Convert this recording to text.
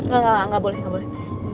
engga engga boleh